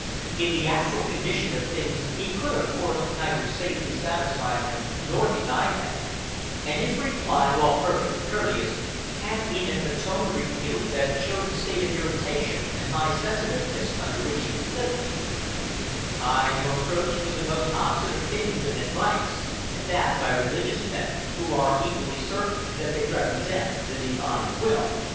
In the actual condition of things he could of course neither safely satisfy them nor deny them, and his reply, while perfectly courteous, had in it a tone of rebuke that showed the state of irritation and high sensitiveness under which he was living: "I am approached with the most opposite opinions and advice, and that by religious men, who are equally certain that they represent the Divine will....